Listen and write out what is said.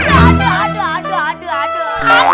aduh aduh aduh